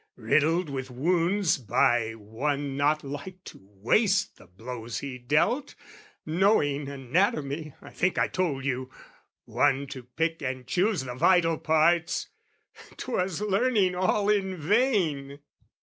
Riddled with wounds by one not like to waste The blows he dealt, knowing anatomy, (I think I told you) one to pick and choose The vital parts! 'Twas learning all in vain!